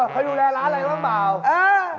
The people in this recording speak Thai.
เคยดูแลร้านอะไรบ้างบ่าง